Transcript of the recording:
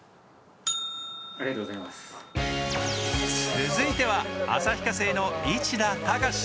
続いては旭化成の市田孝。